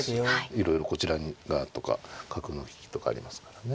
いろいろこちら側とか角の利きとかありますからね。